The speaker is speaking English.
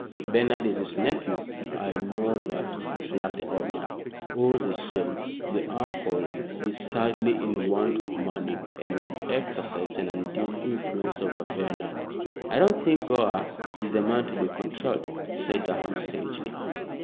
"Bernard is his nephew." "I know that," snapped the old man. "All the same, the uncle is sadly in want of money, and would exercise an undue influence over Bernard." "I don't think Gore is the man to be controlled," said Durham, sagely.